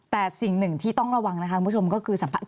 แต่สิ่งหนึ่งที่ต้องระวังนะคะคุณผู้ชมก็คือสัมผัส